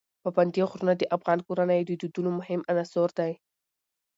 پابندي غرونه د افغان کورنیو د دودونو مهم عنصر دی.